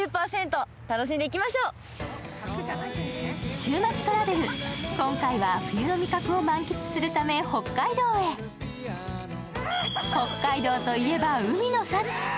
「週末トラベル」、今回は冬の味覚を満喫するため北海道といえば海の幸。